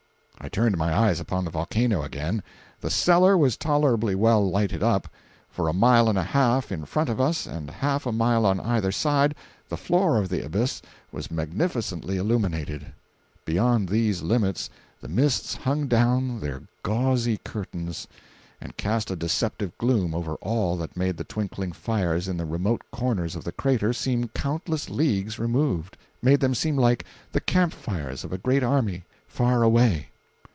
I turned my eyes upon the volcano again. The "cellar" was tolerably well lighted up. For a mile and a half in front of us and half a mile on either side, the floor of the abyss was magnificently illuminated; beyond these limits the mists hung down their gauzy curtains and cast a deceptive gloom over all that made the twinkling fires in the remote corners of the crater seem countless leagues removed—made them seem like the camp fires of a great army far away.